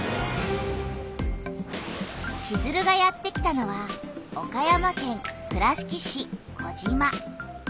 チズルがやって来たのは岡山県倉敷市児島。